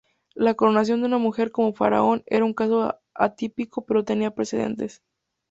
La coronación de una mujer como faraón era un caso atípico pero tenía precedentes.